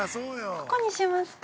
ここにしますか？